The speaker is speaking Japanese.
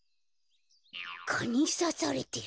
かにさされてる。